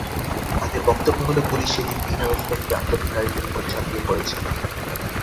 তাঁদের বক্তব্য হলো পুলিশ সেদিন বিনা উসকানিতে আন্দোলনকারীদের ওপর ঝাঁপিয়ে পড়েছে।